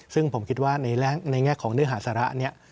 ซึ่งผมคิดว่าในแง่ของเนื้อหาสาระนี้